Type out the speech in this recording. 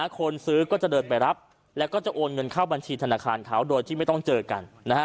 คนซื้อก็จะเดินไปรับแล้วก็จะโอนเงินเข้าบัญชีธนาคารเขาโดยที่ไม่ต้องเจอกัน